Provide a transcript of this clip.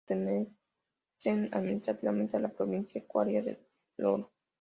Puercos pertenece administrativamente a la provincia ecuatoriana de El Oro.